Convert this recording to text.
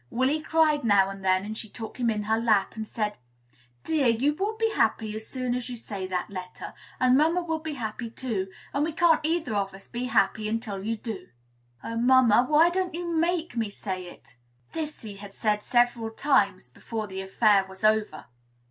Willy cried now and then, and she took him in her lap, and said, "Dear, you will be happy as soon as you say that letter, and mamma will be happy too, and we can't either of us be happy until you do." "Oh, mamma! why don't you make me say it?" (This he said several times before the affair was over.)